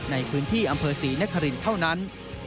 ในพื้นที่อำเภอศรีนครินทร์เท่านั้น